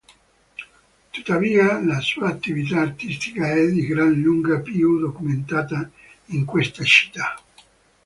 Tuttavia la sua attività artistica è di gran lunga più documentata in questa città.